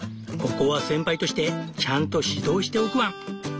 ここは先輩としてちゃんと指導しておくワン！